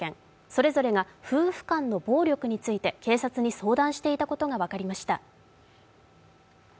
それぞれが夫婦間の暴力について警察に相談していたことが分かりました。